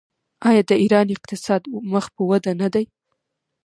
آیا د ایران اقتصاد مخ په وده نه دی؟